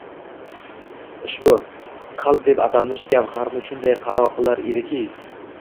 ushbu – qalb deb atalmish gavharni shunday qaro qilar edi-ki